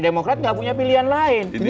demokrat nggak punya pilihan lain